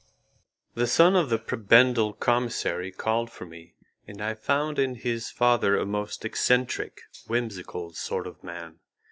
The son of the prebendal commissary called for me, and I found in his father a most eccentric, whimsical sort of man.